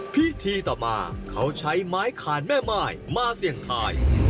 พิธีต่อมาเขาใช้ไม้ขานแม่ไม้มาเซียงไทย